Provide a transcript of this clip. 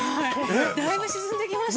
◆だいぶ沈んできましたよ。